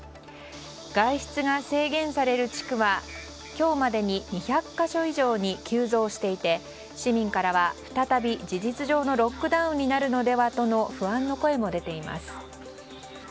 外出が制限される地区は今日までに２００か所以上に急増していて市民からは再び事実上のロックダウンになるのではとの不安の声も出ています。